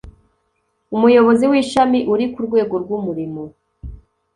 umuyobozi w'ishami uri ku rwego rw'umurimo